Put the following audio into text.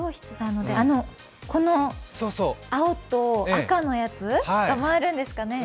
青と赤のやつが回るんですかね。